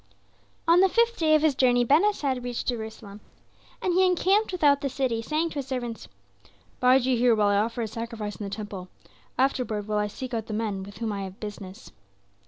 On the fifth day of his journey Ben Hesed reached Jerusalem. And he encamped without the city, saying to his servants, "Bide ye here while I offer a sacrifice in the temple; afterward I will seek out the men with whom I have business."